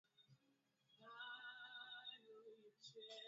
Uhaushauriwi kulima kwenye dongo wa mfinyazi na wenye kokoto